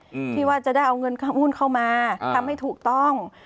อืมที่ว่าจะได้เอาเงินค่าหุ้นเข้ามาอ่าทำให้ถูกต้อง